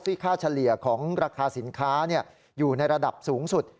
ค่าเฉลี่ยของราคาสินค้าอยู่ในระดับสูงสุด